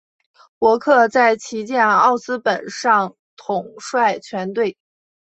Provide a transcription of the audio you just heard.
伯克在旗舰奥斯本上统帅全队。